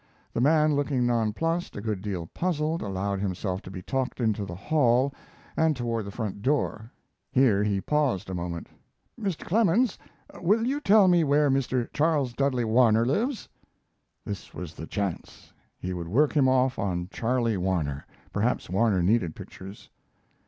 The man, looking non plussed a good deal puzzled allowed himself to be talked into the hall and toward the front door. Here he paused a moment: "Mr. Clemens, will you tell me where Mr. Charles Dudley Warner lives?" This was the chance! He would work him off on Charlie Warner. Perhaps Warner needed pictures.